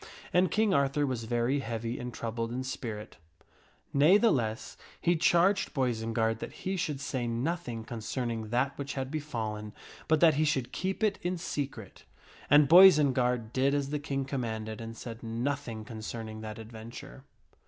And King Arthur was very heavy and troubled in spirit; ne'theless he charged Boisenard that he should say nothing concerning that which had befallen, but that he should keep it in secret. And Boisenard did as the King commanded, and said nothing concerning that adventure.